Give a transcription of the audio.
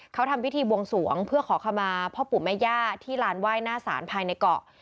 เขาทำพิธีบวงสวงเพื่อขอขมาพ่อปู่แม่ย่าที่ลานไหว้หน้าศาลภายในเกาะ